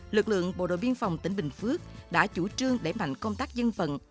lực lượng bộ đội biên phòng tỉnh bình phước đã chủ trương đẩy mạnh công tác dân vận